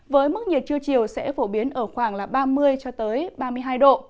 với mức nhiệt trưa chiều sẽ phổ biến ở khoảng ba mươi ba mươi độ